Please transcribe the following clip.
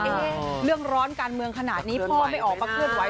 เรื่องร้อนการเมืองขนาดนี้พ่อไม่ออกมาเคลื่อนไหว